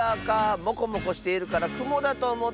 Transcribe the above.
もこもこしているからくもだとおもったッス。